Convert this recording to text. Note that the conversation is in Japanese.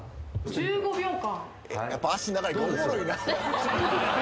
１５秒間。